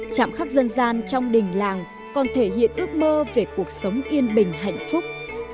chạm khắc dân gian trong đình làng còn thể hiện ước mơ về cuộc sống yên bình hạnh phúc